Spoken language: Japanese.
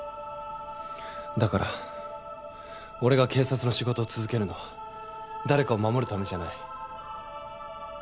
だから俺が警察の仕事を続けるのは誰かを守るためじゃない。